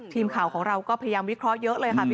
ทีมข่าวของเราก็พยายามวิเคราะห์เยอะเลยค่ะ